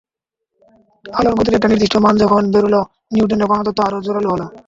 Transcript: আলোর গতির একটা নির্দিষ্ট মান যখন বেরোল, নিউটনের কণাতত্ত্ব আরও জোরালো হলো।